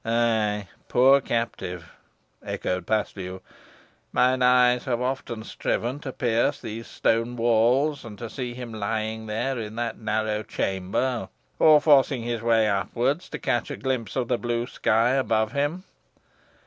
"Ay, poor captive!" echoed Paslew. "Mine eyes have often striven to pierce those stone walls, and see him lying there in that narrow chamber, or forcing his way upwards, to catch a glimpse of the blue sky above him.